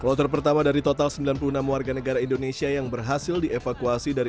kloter pertama dari total sembilan puluh enam warga negara indonesia yang berhasil dievakuasi dari